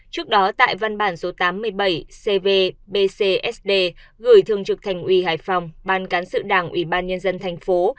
trước đó tại văn bản số tám mươi bảy cvbcsd gửi thương trực thành ủy hải phòng ban cán sự đảng ủy ban nhân dân thành phố